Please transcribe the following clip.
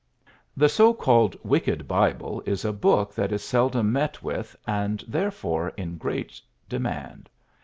The so called Wicked Bible is a book that is seldom met with, and, therefore, in great demand.